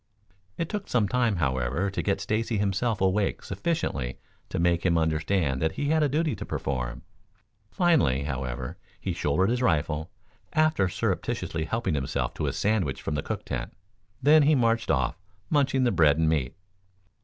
It took some time, however, to get Stacy himself awake sufficiently to make him understand that he had a duty to perform. Finally, however, he shouldered his rifle, after surreptitiously helping himself to a sandwich from the cook tent. Then he marched off, munching the bread and meat.